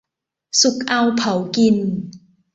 สุกเอาเผากิน